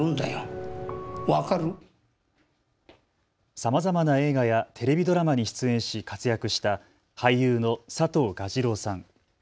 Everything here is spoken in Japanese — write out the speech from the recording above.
さまざまな映画やテレビドラマに出演し活躍した俳優の佐藤蛾次郎さん。